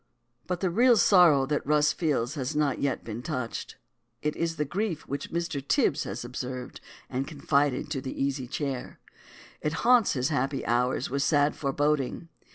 But the real sorrow that Rus feels has not yet been touched. It is the grief which Mr. Tibs has observed and confided to the Easy Chair. It haunts his happy hours with sad foreboding.